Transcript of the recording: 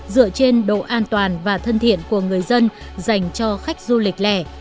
dựa trên độ an toàn và thân thiện của người dân dành cho khách du lịch lẻ